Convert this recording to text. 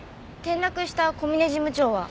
転落した小嶺事務長は？